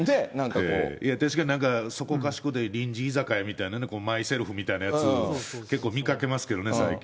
そこかしこで臨時居酒屋みたいなね、マイセルフみたいなやつ、結構見かけますけどね、最近。